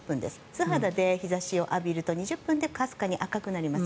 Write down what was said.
素肌で日差しを浴びると２０分でかすかに赤くなります。